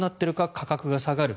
価格が下がる。